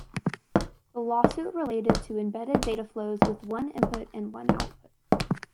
The lawsuit related to embedded data flows with one input and one output.